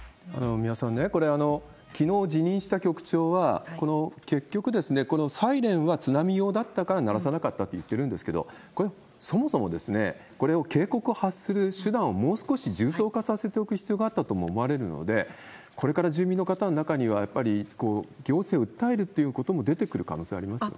三輪さん、これ、きのう辞任した局長は、結局、このサイレンは津波用だったから鳴らさなかったと言ってるんですけれども、これ、そもそも、これを、警告を発する手段をもう少し重層化させておく必要があったとも思われるので、これから住民の方の中には、やっぱり行政を訴えるということも出てくる可能性ありますよね。